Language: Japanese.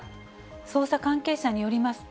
捜査関係者によりますと、